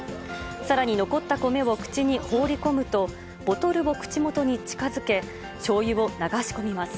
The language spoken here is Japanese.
さらに残った米を口に放り込むと、ボトルを口元に近づけ、しょうゆを流し込みます。